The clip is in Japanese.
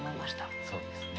そうですね。